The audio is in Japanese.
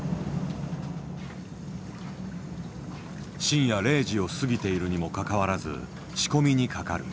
深夜０時を過ぎているにもかかわらず仕込みにかかる。